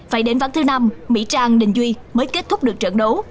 phải đến ván thứ năm mỹ trang đình duy mới kết thúc được trận đấu